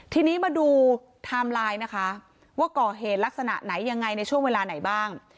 ทีนี้มาดูไทม์ไลน์นะคะว่าก่อเหตุลักษณะไหนยังไงในช่วงเวลาไหนบ้าง